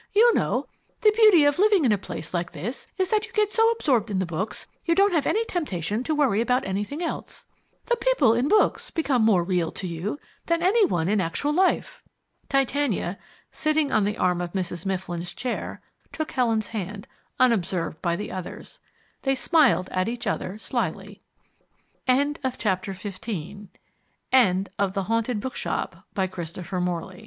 You know, the beauty of living in a place like this is that you get so absorbed in the books you don't have any temptation to worry about anything else. The people in books become more real to you than any one in actual life." Titania, sitting on the arm of Mrs. Mifflin's chair, took Helen's hand, unobserved by the others. They smiled at each other slyly. End of Project Gutenberg's The Haunted Bookshop, by Christopher Morley END OF THIS PRO